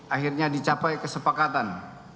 akhirnya dicapai kesepakatan